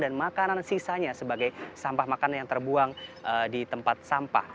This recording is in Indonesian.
dan makanan sisanya sebagai sampah makanan yang terbuang di tempat sampah